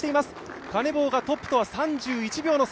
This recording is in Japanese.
カネボウがトップと３１秒差。